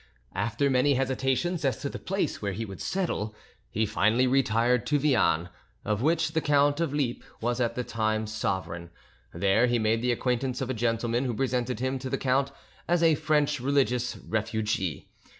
After many hesitations as to the place where he would settle, he finally retired to Viane, of which the Count of Lippe was at that time sovereign; there he made the acquaintance of a gentleman who presented him to the count as a French religious refugee.